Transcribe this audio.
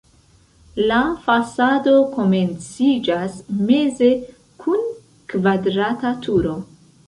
La fasado komenciĝas meze kun kvadrata turo.